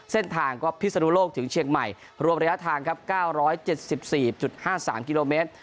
เส้นทางก็พิศนุโลกถึงเชียงใหม่รวมระยะทางครับ๙๗๔๕๓กิโลเมตร